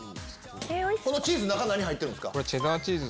このチーズ中何入ってるんすか？